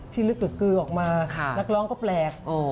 ลึกกึกกือออกมานักร้องก็แปลก